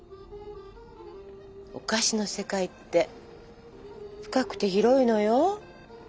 お菓子の世界って深くて広いのよ。